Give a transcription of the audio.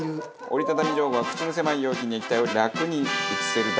折りたたみじょうごは口の狭い容器に液体を楽に移せる